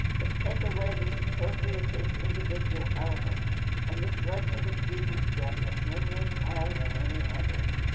But take away this appropriative, individual element, and this legend of Jesus' death has no more power than any other.